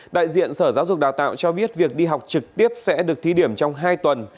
đại diện sở giáo dục đào tạo cho biết việc đi học trực tiếp sẽ được thí điểm trong hai tuần